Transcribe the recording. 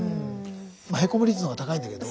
へこむ率の方が高いんだけど。